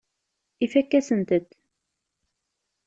Ifakk-asen-tent.